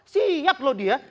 siap loh dia